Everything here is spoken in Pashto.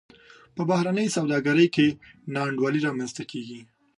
په بهرنۍ سوداګرۍ کې نا انډولي رامنځته کیږي.